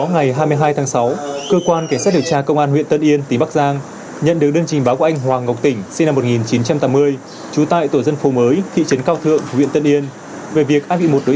hai ngày sau anh nguyễn văn quang sinh năm một nghìn chín trăm tám mươi bảy trú tại tổ dân phố đồi đỏ